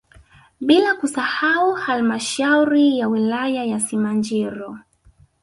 Bila kusahau halmashauri ya wilaya ya Simanjiro